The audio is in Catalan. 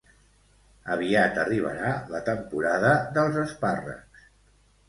Aviat arribarà la temporada dels espàrrecs